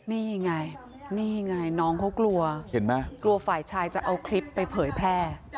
นี่ไงนี่ไงน้องเขากลัวเห็นไหมกลัวฝ่ายชายจะเอาคลิปไปเผยแพร่